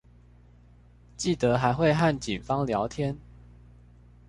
記得還會和警方聊天